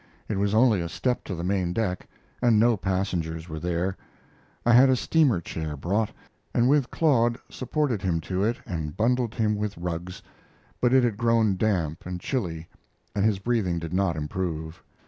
It was only a step to the main deck, and no passengers were there. I had a steamer chair brought, and with Claude supported him to it and bundled him with rugs; but it had grown damp and chilly, and his breathing did not improve.